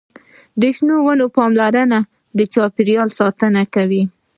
د شنو ونو پاملرنه د چاپیریال ساتنه کوي.